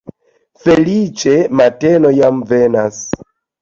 Feliĉe mateno jam venas!